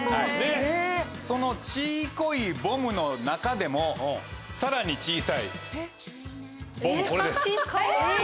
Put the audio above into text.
その小っこい『ＢＯＭＢ！』の中でもさらに小さい『ＢＯＭＢ！』これです。